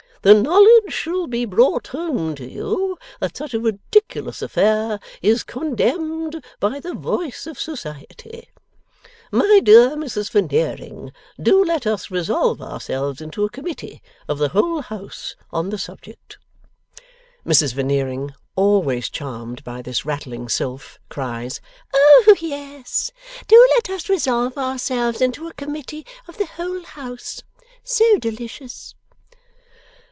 The knowledge shall be brought home to you that such a ridiculous affair is condemned by the voice of Society. My dear Mrs Veneering, do let us resolve ourselves into a Committee of the whole House on the subject.' Mrs Veneering, always charmed by this rattling sylph, cries. 'Oh yes! Do let us resolve ourselves into a Committee of the whole House! So delicious!